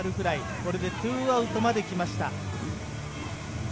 これで２アウトまで来ました。